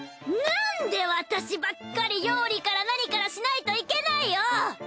なんで私ばっかり料理から何からしないといけないお！